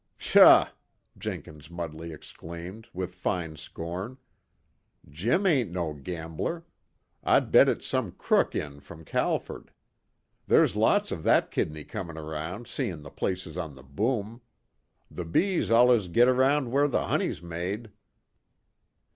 "Psha!" Jenkins Mudley exclaimed, with fine scorn. "Jim ain't no gambler. I'd bet it's some crook in from Calford. There's lots of that kidney coming around, seeing the place is on the boom. The bees allus gets around wher' the honey's made."